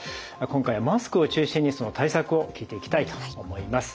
今回はマスクを中心にその対策を聞いていきたいと思います。